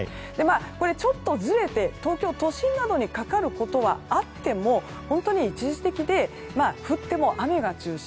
ちょっとずれて東京都心などにかかることはあっても本当に一時的で降っても雨が中心